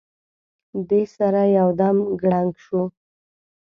دې سره یو دم کړنګ شو.